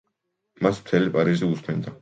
მას მთელი პარიზი უსმენდა.